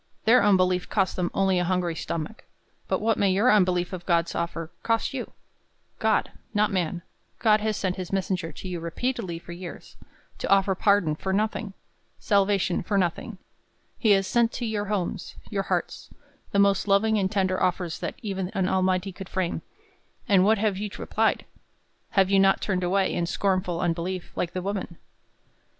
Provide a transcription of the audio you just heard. Their unbelief cost them only a hungry stomach; but what may your unbelief of God's offer cost you? God not man God has sent his messenger to you repeatedly for years, to offer pardon for nothing! Salvation for nothing! He has sent to your homes, your hearts, the most loving and tender offers that even an Almighty could frame; and what have you replied? Have you not turned away, in scornful unbelief, like the woman?